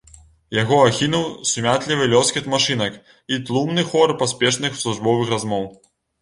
Яго ахінуў сумятлівы лёскат машынак і тлумны хор паспешных службовых размоў.